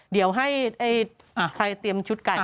เดี๋ยวให้ใครเตรียมชุดกัน